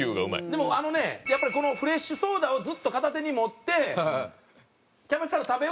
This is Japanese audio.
でもあのねやっぱりこのフレッシュソーダをずっと片手に持ってキャベツ太郎